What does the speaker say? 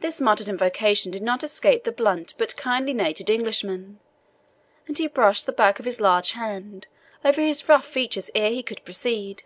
This muttered invocation did not escape the blunt but kindly natured Englishman, and he brushed the back of his large hand over his rough features ere he could proceed.